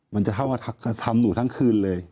มันจะเท่ากับทำหนูทั้งคืนเลย